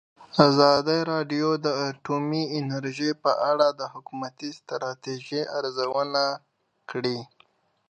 ازادي راډیو د اټومي انرژي په اړه د حکومتي ستراتیژۍ ارزونه کړې.